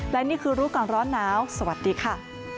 และนี่คือรู้ก่อนร้อนหนาวสวัสดีค่ะ